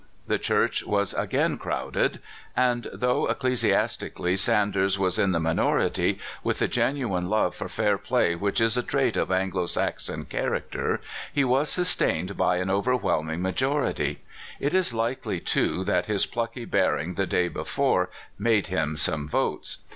The church was again crowded ; and though eccle siastically Sanders was in the minority, with the genuine love for fair play which is a trait of Anglo Saxon character, he was sustained by an over whelming majority. It is likely, too, that his plucky bearing the day before made him some votes.